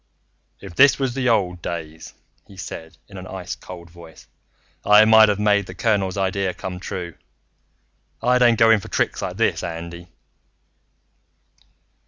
"If this was the old days," he said in an ice cold voice, "I might of made the colonel's idea come true. I don't go for tricks like this, Andy."